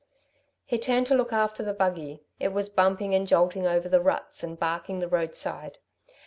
He turned to look after the buggy. It was bumping and jolting over the ruts and barking the roadside.